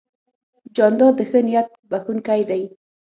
جانداد د ښه نیت بښونکی دی.